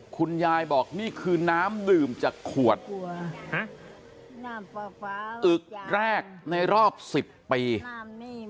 คุณยายบอกนี่คือน้ำดื่มจากขวดน้ำปลาอึกแรกในรอบ๑๐ปี